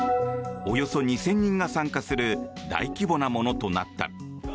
およそ２０００人が参加する大規模なものとなった。